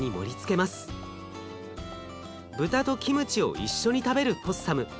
豚とキムチを一緒に食べるポッサム。